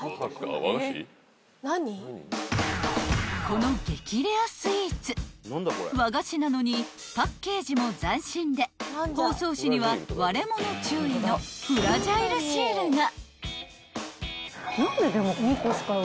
［この激レアスイーツ和菓子なのにパッケージも斬新で包装紙には割れ物注意のフラジャイルシールが］